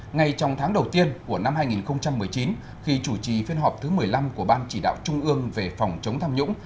ngay trong tháng đầu tiên của năm hai nghìn một mươi chín khi chủ trì phiên họp thứ một mươi năm của ban chỉ đạo trung ương về phòng chống tham nhũng